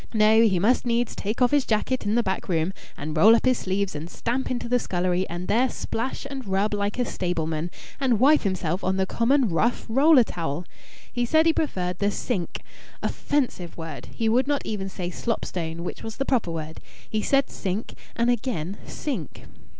No, he must needs take off his jacket in the back room and roll up his sleeves and stamp into the scullery and there splash and rub like a stableman, and wipe himself on the common rough roller towel. He said he preferred the "sink." (Offensive word! He would not even say "slop stone," which was the proper word. He said "sink," and again "sink.")